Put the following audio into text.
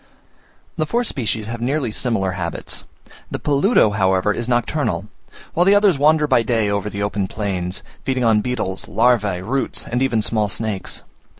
The four species have nearly similar habits; the peludo, however, is nocturnal, while the others wander by day over the open plains, feeding on beetles, larvae, roots, and even small snakes.